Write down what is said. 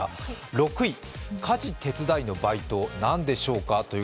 ６位、家事手伝いのバイト、何でしょうか。